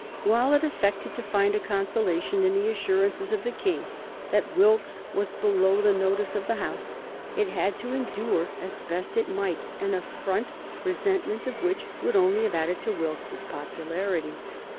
While it affected to find a consolation in the assurances of the King that Wilkes was "below the notice of the House," it had to endure as best it might an affront resentment of which would only have added to Wilkes's popularity.